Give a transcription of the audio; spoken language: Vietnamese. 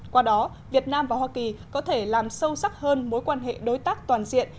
qua đó việt nam và hoa kỳ có thể làm sâu sắc hơn mối quan hệ đối tác toàn diện